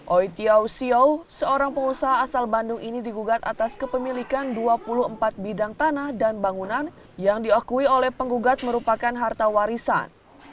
oi tiau siau seorang pengusaha asal bandung ini digugat atas kepemilikan dua puluh empat bidang tanah dan bangunan yang diakui oleh penggugat merupakan harta warisan